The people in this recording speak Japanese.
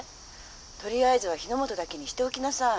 とりあえずは日ノ本だけにしておきなさい」。